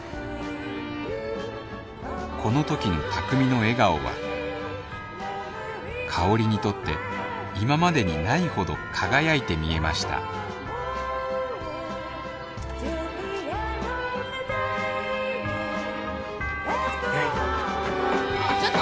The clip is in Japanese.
この時の卓海の笑顔は香にとって今までに無いほど輝いて見えましたちょっと！